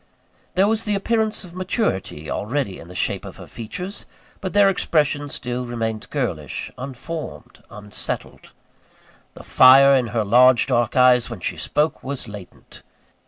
There was the appearance of maturity already in the shape of her features; but their expression still remained girlish, unformed, unsettled. The fire in her large dark eyes, when she spoke, was latent.